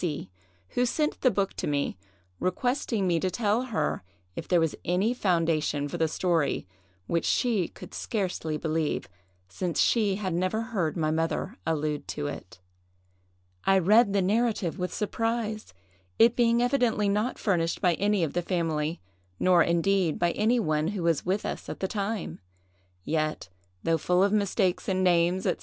C——, who sent the book to me, requesting me to tell her if there was any foundation for the story, which she could scarcely believe, since she had never heard my mother allude to it. I read the narrative with surprise, it being evidently not furnished by any of the family, nor indeed by any one who was with us at the time! yet, though full of mistakes in names, &c.